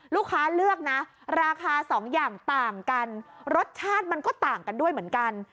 ลูกค้าเลือกนะราคาสองอย่างต่างกันรสชาติมันก็ต่างกันด้วยเหมือนกัน